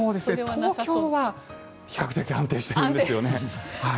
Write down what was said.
東京は比較的安定しているんですよね。